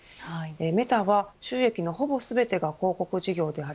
メタは収益のほぼ全てが広告事業になる。